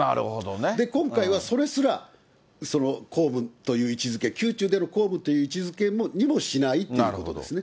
今回はそれすら公務という位置づけ、宮中での公務という位置づけにもしないということですね。